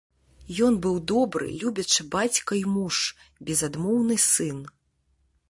Ён быў добры, любячы бацька і муж, безадмоўны сын.